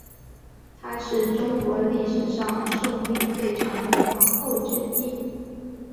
她是中国历史上寿命最长的皇后之一。